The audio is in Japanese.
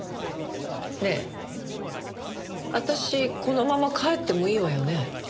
ねえ私このまま帰ってもいいわよね？